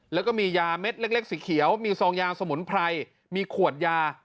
แล้วก็มียาเม็ดเล็กสีเขียวมีซองยาสมุนไพรมีขวดยา